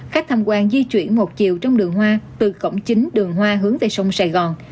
khách tham quan di chuyển một chiều trong đường hoa từ cổng chính đường hoa hướng về sông sài gòn